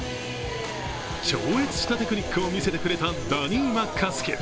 超越したテクニックを見せてくれたダニー・マッカスキル。